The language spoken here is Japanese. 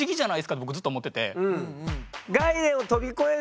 って僕ずっと思ってて。